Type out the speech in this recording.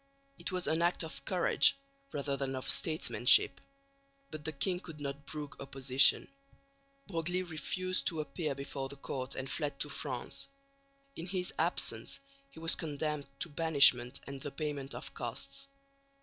It was an act of courage rather than of statesmanship, but the king could not brook opposition. Broglie refused to appear before the court and fled to France. In his absence he was condemned to banishment and the payment of costs.